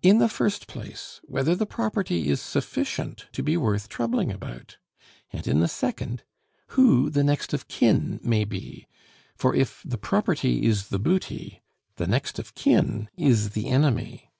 In the first place, whether the property is sufficient to be worth troubling about; and in the second, who the next of kin may be; for if the property is the booty, the next of kin is the enemy."